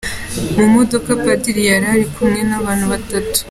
Mu modoka Padiri yari ari kumwe n’abantu batatu.